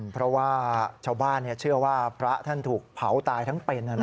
เพราะว่าชาวบ้านเชื่อว่าพระท่านถูกเผาตายทั้งเป็น